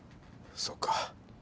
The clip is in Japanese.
そっか。